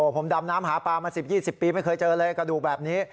ผมดำน้ำหาปลามา๑๐๒๐ปีไม่เคยเจอเลยกระดูกแบบนี้